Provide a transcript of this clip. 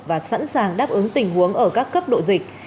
và sẵn sàng đáp ứng tình huống ở các cấp độ dịch